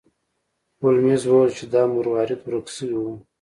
هولمز وویل چې دا مروارید ورک شوی و.